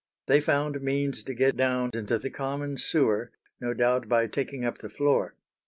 They found means to get down into the common sewer, no doubt by taking up the floor.